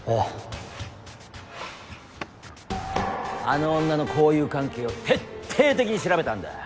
あの女の交友関係を徹底的に調べたんだ。